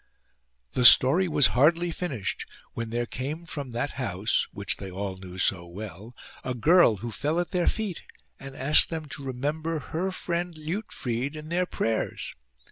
" The story was hardly finished when there came from that house, which they all knew so well, a girl who fell at their feet and asked them to remember her friend Liutfrid in their prayers.